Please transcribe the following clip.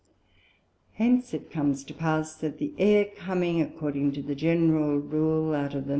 Hence it comes to pass, that the Air coming according to the general Rule, out of the N.